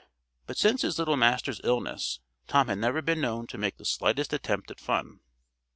But since his little master's illness, Tom had never been known to make the slightest attempt at fun.